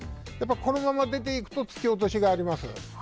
このまま出ていくと突き落としがあります。